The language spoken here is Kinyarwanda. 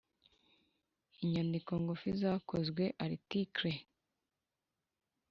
Inyandiko ngufi zakozwe articles